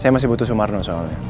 saya masih butuh sumarno soalnya